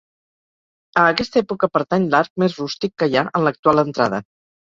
A aquesta època pertany l'arc més rústic que hi ha en l'actual entrada.